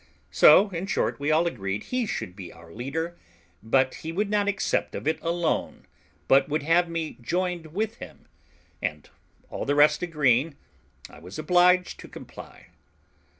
So, in short, we all agreed he should be our leader; but he would not accept of it alone, but would have me joined with him; and all the rest agreeing, I was obliged to comply.